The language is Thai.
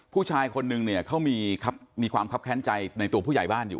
ผู้ชายคนนึงเนี่ยเขามีความคับแค้นใจในตัวผู้ใหญ่บ้านอยู่